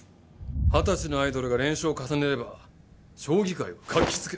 二十歳のアイドルが連勝を重ねれば将棋界は活気づく。